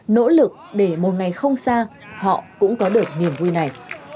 nỗ lực để một ngày không xa họ cũng có đợt niềm vui này